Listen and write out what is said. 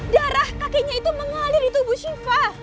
darah kakenya itu mengalir di tubuh siva